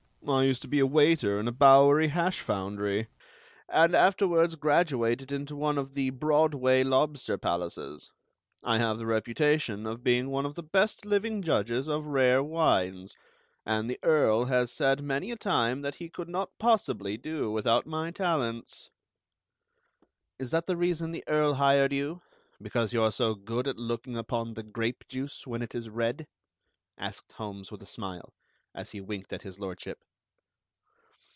I used to be a waiter in a Bowery hash foundry, and afterwards graduated into one of the Broadway lobster palaces. I have the reputation of being one of the best living judges of rare wines; and the Earl has said many a time that he could not possibly do without my talents." "Is that the reason the Earl hired you, because you are so good at looking upon the grape juice when it is red?" asked Holmes with a smile, as he winked at His Lordship.